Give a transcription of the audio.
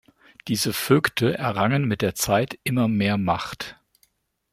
Diese Vögte errangen mit der Zeit immer mehr Macht.